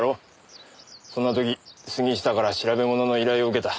そんな時杉下から調べ物の依頼を受けた。